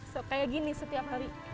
kayak gini setiap hari